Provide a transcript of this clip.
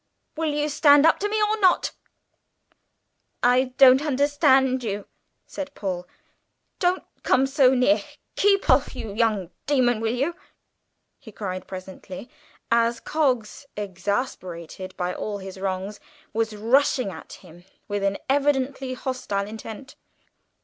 Will you stand up to me or not?" "I don't understand you," said Paul. "Don't come so near. Keep off, you young demon, will you!" he cried presently, as Coggs, exasperated by all his wrongs, was rushing at him with an evidently hostile intent.